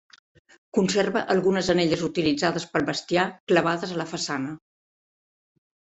Conserva algunes anelles utilitzades per al bestiar clavades a la façana.